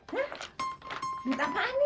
hah duit apaan nih